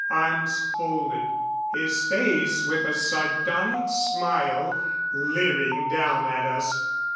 Arms folded; his face with a sardonic smile leering down at us!